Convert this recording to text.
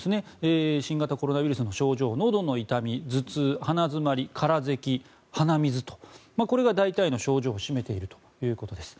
新型コロナウイルスの症状のどの痛み、頭痛鼻詰まり、空ぜき、鼻水とこれが大体の症状を占めているということです。